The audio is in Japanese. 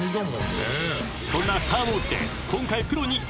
［そんな『スター・ウォーズ』で今回］